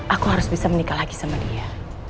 aku harus bisa menikah lagi sama dia